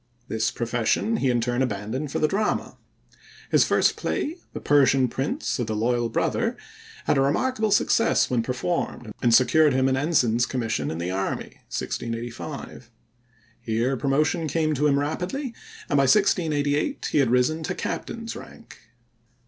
This profession he in turn abandoned for the drama. His first play, The Persian Prince, or the Loyal Brother, had remarkable success when performed, and secured him an ensign's commission in the army (1685). Here promotion came to him rapidly and by 1688 he had risen to captain's rank.